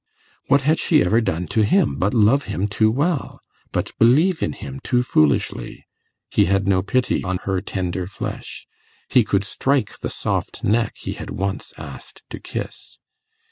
What had she ever done to him but love him too well but believe in him too foolishly? He had no pity on her tender flesh; he could strike the soft neck he had once asked to kiss.